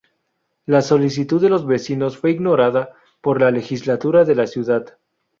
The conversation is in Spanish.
La solicitud de los vecinos fue ignorada por la Legislatura de la ciudad.